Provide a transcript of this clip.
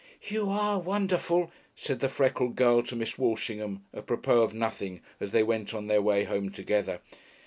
"You are wonderful," said the freckled girl to Miss Walshingham, apropos of nothing, as they went on their way home together.